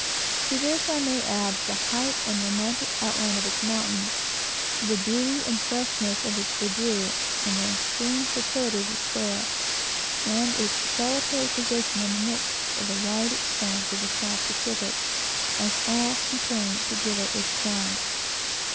To this I may add the height and romantic outline of its mountains, the beauty and freshness of its verdure, and the extreme fertility of its soil, and its solitary position in the midst of the wide expanse of the South Pacific, as all concurring to give it its peculiar charm.